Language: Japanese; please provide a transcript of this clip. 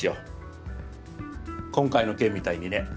今回の件みたいにね。